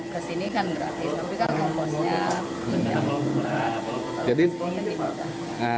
kesini kan berat tapi kan komposnya